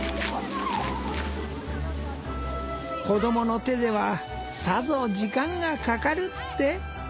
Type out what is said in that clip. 子供の手ではさぞ時間がかかるって？